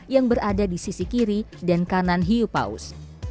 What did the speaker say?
yang berada di sisi kiri dan kanan hiupaus